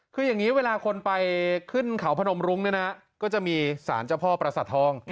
คืออย่างนี้เวลาคนไปขึ้นเขาพนมรุ้งเนี่ยนะก็จะมีสารเจ้าพ่อประสาททอง